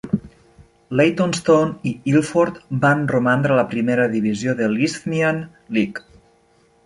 Leytonstone i Ilford van romandre a la primera divisió de l'Isthmian League.